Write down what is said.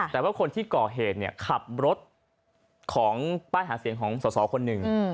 แต่ว่าคนที่ก่อเหตุเนี่ยขับรถของป้ายหาเสียงของสอสอคนหนึ่ง